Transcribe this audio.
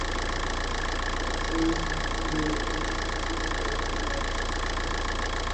সেই সাথে তিনি একজন প্রশিক্ষিত ধ্রুপদী গায়ক।